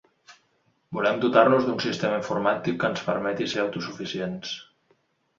Volem dotar-nos d’un sistema informàtic que ens permeti ser autosuficients.